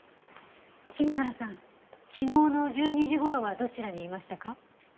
君原さん昨日の１２時頃はどちらにいましたか？